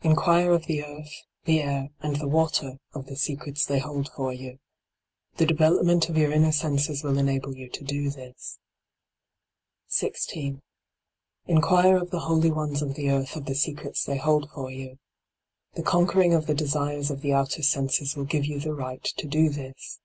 Inquire of the earth, the air, and the water, of the secrets they hold for you. The development of your inner senses will enable you to do this. d by Google LIGHT ON THE PATH 19 16. Inquire of the holy ones of the earth of the secrets they hold for you. The con quering of the desires of the outer senses will give you the right to do this.